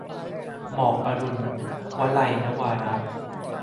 หมอกอรุณ - วลัย นวาระ